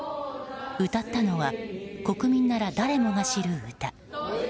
歌ったのは国民なら誰もが知る歌。